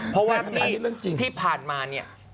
เพราะว่าที่ผ่านมาเนี่ย